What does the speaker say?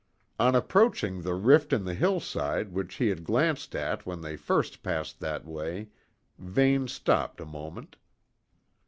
On approaching the rift in the hillside which he had glanced at when they first passed that way, Vane stopped a moment.